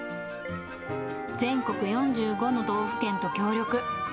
全国４５の道府県と協力。